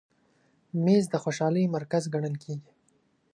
مېز د خوشحالۍ مرکز ګڼل کېږي.